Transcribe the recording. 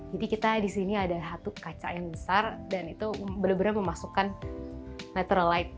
jadi kita disini ada satu kaca yang besar dan itu benar benar memasukkan natural light